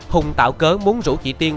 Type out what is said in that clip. hùng tạo cớ muốn rủ chị tiên